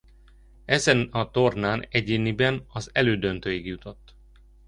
Ezen a tornán egyéniben az elődöntőig jutott.